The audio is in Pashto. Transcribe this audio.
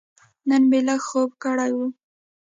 نن مې لږ خوب کړی و.